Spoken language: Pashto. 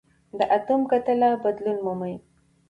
د اتوم کتله بدلون مومي.